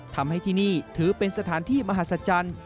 ทำให้ที่นี่ถือเป็นสถานที่มหัศจรรย์